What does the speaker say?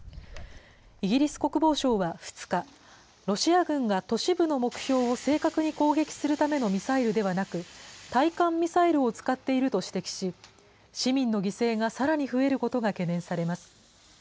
イギリス国防省は２日、ロシア軍が都市部の目標を正確に攻撃するためのミサイルではなく、対艦ミサイルを使っていると指摘し、市民の犠牲がさらに増えることが懸念されます。